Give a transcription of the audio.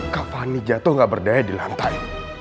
kak fani jatuh gak berdaya di lantai